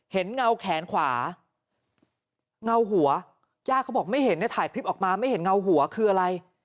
เงาแขนขวาเงาหัวย่าเขาบอกไม่เห็นเนี่ยถ่ายคลิปออกมาไม่เห็นเงาหัวคืออะไร